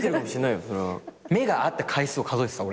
目が合った回数を数えてた俺。